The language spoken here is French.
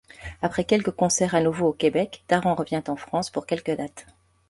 Après quelques concerts à nouveau au Québec, Daran revient en France pour quelques dates.